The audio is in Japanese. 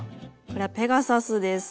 これはペガサスです。